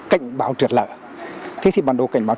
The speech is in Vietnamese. cảnh báo trượt lở thế thì bản đồ cảnh báo